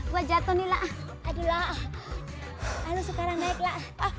gua jatuh nih lah aduh lu sekarang naik lah